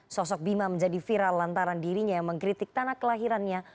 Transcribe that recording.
sosok bima menjadi viral lantaran dirinya yang mengkritik tanah kelahirannya